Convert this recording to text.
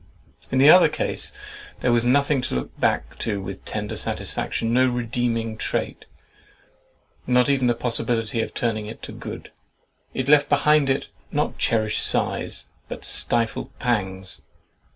In the other case, there was nothing to look back to with tender satisfaction, no redeeming trait, not even a possibility of turning it to good. It left behind it not cherished sighs, but stifled pangs.